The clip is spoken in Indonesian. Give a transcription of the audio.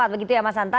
begitu ya mas hanta